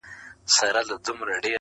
ورته سپک په نظر ټوله موږکان دي-